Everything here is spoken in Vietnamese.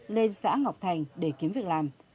lên xã ngọc thành để kiếm việc làm